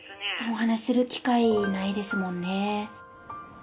お話しする機会ないですもんね。